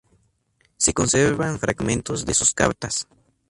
Se conservan fragmentos de sus cartas.